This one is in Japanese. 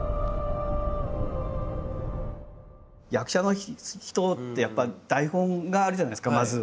役者の人ってやっぱり台本があるじゃないですかまず。